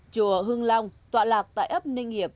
chùa hưng long tọa lạc tại ấp ninh hiệp